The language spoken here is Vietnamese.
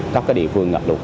các địa phương ngập lụt